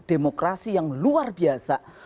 demokrasi yang luar biasa